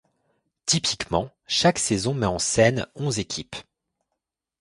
Typiquement, chaque saison met en scène onze équipes.